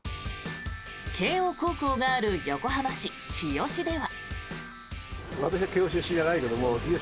慶応高校がある横浜市日吉では。